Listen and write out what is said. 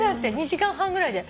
２時間半ぐらいで。